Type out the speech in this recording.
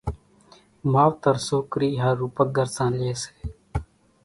ماوتر سوڪرِي ۿارُو پڳرسان لئي سي،